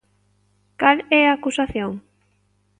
Cal é a acusación?